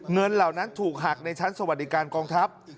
เหล่านั้นถูกหักในชั้นสวัสดิการกองทัพ